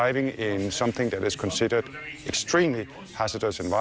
เป็นมีปัญหามากนะ